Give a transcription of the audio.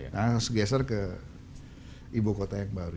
nah segeser ke ibu kota yang baru